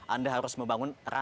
anda harus membangun